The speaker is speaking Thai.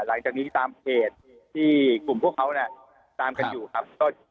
หลังจากนี้ตามเพจที่กลุ่มพวกเขาเนี่ยตามกันอยู่ครับ